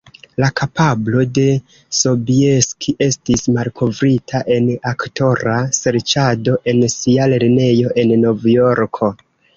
La kapablo de Sobieski estis malkovrita en aktora serĉado en sia lernejo, en Novjorko.